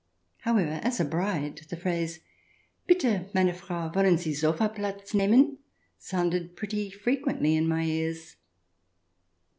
However, as a bride, the phrase " Bitte, meine Frau, woUen Sie Sofa Platz nehmen ?" sounded pretty frequently in my ears.